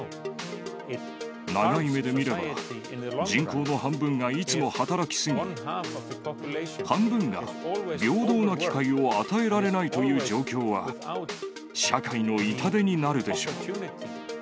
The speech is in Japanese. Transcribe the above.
長い目で見れば、人口の半分がいつも働き過ぎ、半分が平等な機会を与えられないという状況は、社会の痛手になるでしょう。